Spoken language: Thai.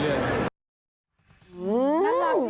แล้วมันดูแห้ง